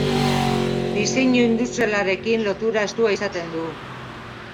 Diseinu industrialarekin lotura estua izaten du.